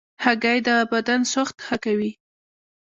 هګۍ د بدن سوخت ښه کوي.